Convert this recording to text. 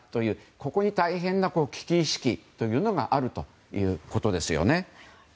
ここに大変な危機意識というのがあるということです。